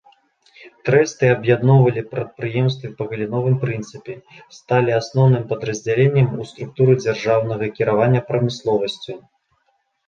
Трэсты аб'ядноўвалі прадпрыемствы па галіновым прынцыпе, сталі асноўным падраздзяленнем у структуры дзяржаўнага кіравання прамысловасцю.